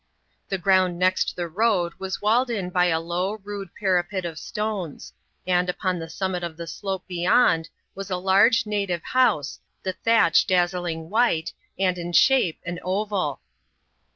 The ground next the road was walled in by a low, rude parapet of stones ; and, upon the summit of the slope beyood, was a large, native house, the thatch dazzHx^ white, and, in shape, an oval.